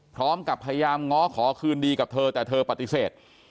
พร้อมกับพยายามง้อขอคืนดีกับเธอแต่เธอปฏิเสธ